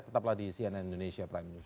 tetaplah di cnn indonesia prime news